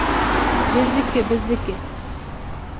Беҙҙең, беҙҙеке